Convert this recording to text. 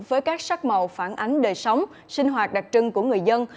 với các sắc màu phản ánh đời sống sinh hoạt đặc trưng của người dân